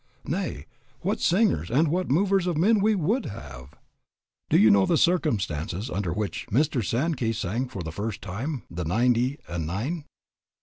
Nay, what singers and what movers of men we would have! Do you know the circumstances under which Mr. Sankey sang for the first time "The Ninety and Nine?"